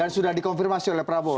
dan sudah dikonfirmasi oleh prabowo